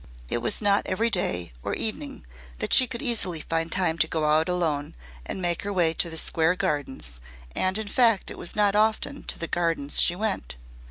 It was not every day or evening that she could easily find time to go out alone and make her way to the Square Gardens and in fact it was not often to the Gardens she went.